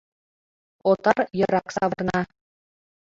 Отар йырак савырна.